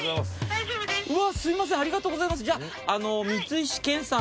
すいませんありがとうございますじゃあ。